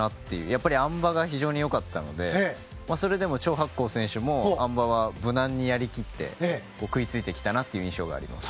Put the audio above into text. やっぱりあん馬が非常によかったのでそれでもチョウ・ハクコウ選手はあん馬は無難にやり切って食いついてきたなという印象があります。